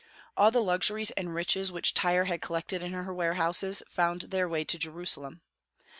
All the luxuries and riches which Tyre had collected in her warehouses found their way to Jerusalem.